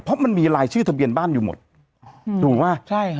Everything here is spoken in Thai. เพราะมันมีรายชื่อทะเบียนบ้านอยู่หมดถูกป่ะใช่ค่ะ